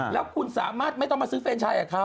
แล้วคุณสามารถไม่ต้องมาซื้อเฟรนชายกับเขา